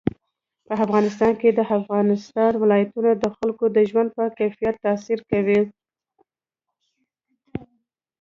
په افغانستان کې د افغانستان ولايتونه د خلکو د ژوند په کیفیت تاثیر کوي.